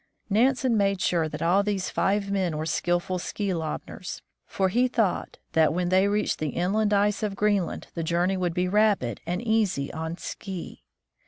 Nansen made sure that all these five men were skillful ski lobners, for he thought that, when they reached the inland ice of Greenland, the journey would be rapid and easy on ski.